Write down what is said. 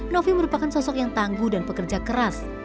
novi merupakan sosok yang tangguh dan pekerja keras